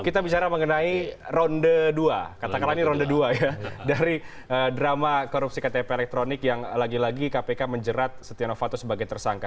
kita bicara mengenai ronde dua katakanlah ini ronde dua ya dari drama korupsi ktp elektronik yang lagi lagi kpk menjerat setia novanto sebagai tersangka